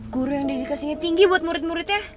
guru yang dedikasinya tinggi buat murid muridnya